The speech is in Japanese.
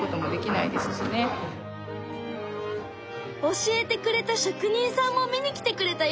教えてくれた職人さんも見に来てくれたよ。